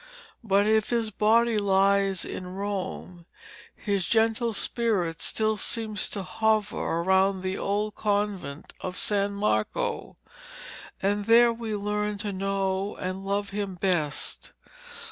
But if his body lies in Rome, his gentle spirit still seems to hover around the old convent of San Marco, and there we learn to know and love him best.